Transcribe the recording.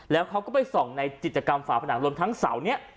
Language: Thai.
แล้วเขาก็ไปส่องในจิตกรรมฝาผนังรวมทั้งเสานี้